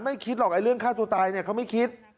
คิดหรอกเรื่องฆ่าตัวตายเนี่ยเขาไม่คิด